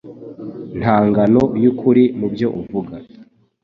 Nta ngano yukuri mubyo avuga